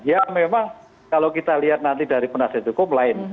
ya memang kalau kita lihat nanti dari penasihat hukum lain